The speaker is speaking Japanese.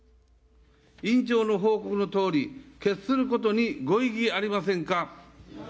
院長の報告のとおり決することにご異議はありませんか。